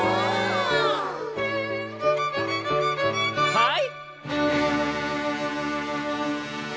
はい！